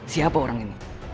siapa orang ini